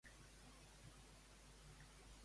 De què volia persuadir a Sèmele?